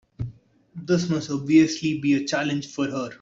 This must obviously be a challenge for her.